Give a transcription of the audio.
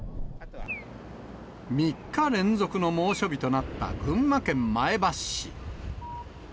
３日連続の猛暑日となった群馬県前橋市。